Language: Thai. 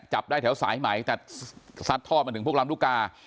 จับได้แถวสายไหมแต่ซัดทอดมาถึงพวกลำลูกกา